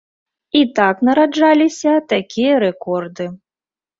І так нараджаліся такія рэкорды.